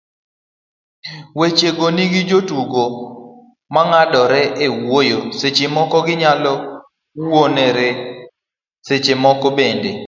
wechego nigi jotugo mang'adore e wuoyo, seche moko ginyalo wuonore, seche moko bende